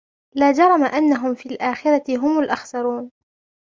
لَا جَرَمَ أَنَّهُمْ فِي الْآخِرَةِ هُمُ الْأَخْسَرُونَ